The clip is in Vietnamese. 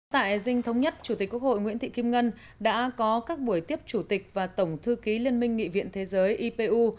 tại dinh thống nhất chủ tịch quốc hội nguyễn thị kim ngân đã có các buổi tiếp chủ tịch và tổng thư ký liên minh nghị viện thế giới ipu